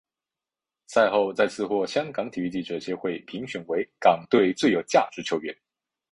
赛后再次获香港体育记者协会评选为港队最有价值球员。